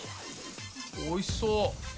おいしそう。